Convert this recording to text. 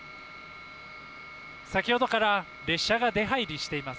先ほどから列車が出はいりしています。